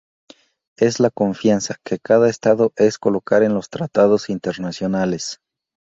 Es la confianza que cada Estado es colocar en los tratados internacionales...